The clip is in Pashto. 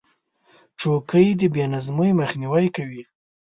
چوکۍ د بې نظمۍ مخنیوی کوي.